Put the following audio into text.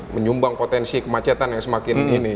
menyumbang potensi kemacetan yang semakin ini